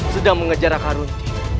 sedang mengejar raka runti